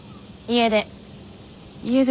家出。